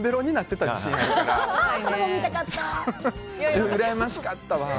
うらやましかったわ。